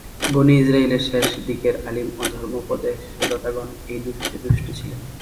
বনী ইসরাঈলের শেষ দিকের আলিম ও ধর্মোপদেশদাতাগণ এই দোষে দুষ্ট ছিলেন।